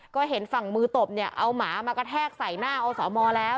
ก็เห็นฝั่งมือตบเนี่ยเอาหมามากระแทกใส่หน้าอสมแล้ว